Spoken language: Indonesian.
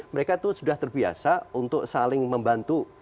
mereka itu sudah terbiasa untuk saling membantu